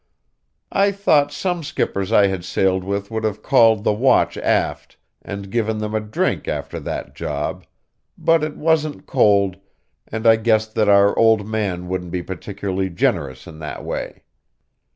I thought some skippers I had sailed with would have called the watch aft, and given them a drink after that job, but it wasn't cold, and I guessed that our old man wouldn't be particularly generous in that way.